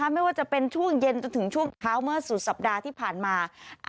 ไม่ว่าจะเป็นช่วงเย็นจนถึงช่วงเช้าเมื่อสุดสัปดาห์ที่ผ่านมา